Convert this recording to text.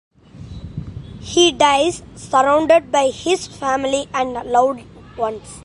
He dies surrounded by his family and loved ones.